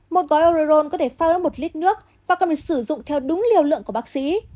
một gói oreol có thể pha với một lít nước và cần phải sử dụng theo đúng liều lượng của bác sĩ